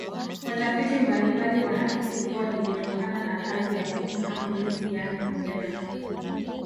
watafiti mbalimbali wanahisi kuwa limetokana na kazi ya kuvuna ulezi yaani kubena